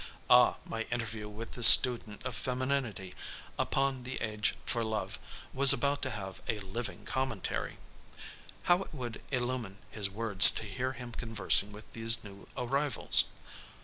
Ah, my interview with this student of femininity upon the Age for Love was about to have a living commentary! How it would illumine his words to hear him conversing with these new arrivals!